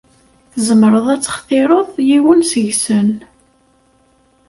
Tzemreḍ ad textireḍ yiwen seg-sen.